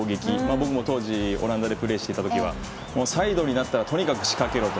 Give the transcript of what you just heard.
僕も当時オランダでプレーしていた時はサイドになったらとにかく仕掛けろと。